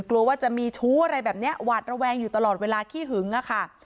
กลัวว่าจะมีชู้อะไรแบบนี้หวาดระแวงอยู่ตลอดเวลาขี้หึงอะค่ะ